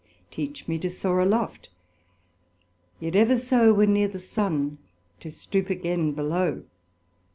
Teach me to soar aloft, yet ever so, When neer the Sun, to stoop again below.